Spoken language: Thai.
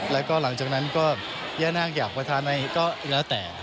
แล้วก็หลังจากนั้นก็แย่นาคอยากมาทำให้ก็แล้วแต่